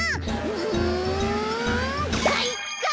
うんかいか！」